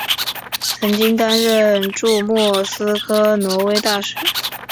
曾经担任驻莫斯科挪威大使。